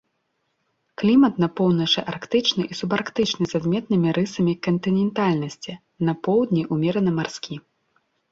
Клімат на поўначы арктычны і субарктычны з адметнымі рысамі кантынентальнасці, на поўдні ўмерана марскі.